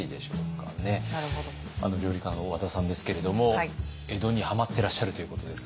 料理家の和田さんですけれども江戸にはまってらっしゃるということですが。